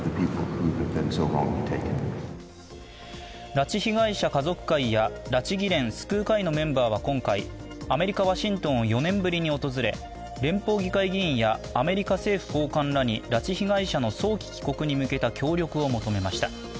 拉致被害者家族会や拉致議連・救う会のメンバーは今回アメリカ・ワシントンを４年ぶりに訪れ連邦議会議員やアメリカ政府高官らに拉致被害者の早期帰国に向けた協力を求めました。